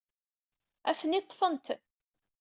Atni ḍḍfen-t.